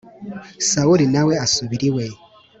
Sawuli na we asubira iwe